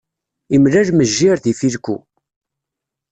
Imlal mejjir d ifilku.